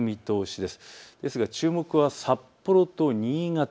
ですが注目は札幌と新潟。